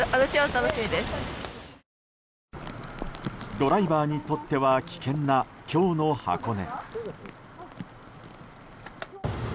ドライバーにとっては危険な今日の箱根。